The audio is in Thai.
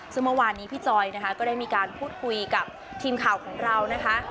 ซึ่งเมื่อวานนี้พี่จอยนะคะก็ได้มีการพูดคุยกับทีมข่าวของเรานะคะ